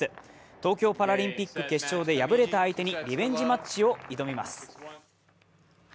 東京パラリンピック決勝で敗れた相手にリベンジマッチを挑みます。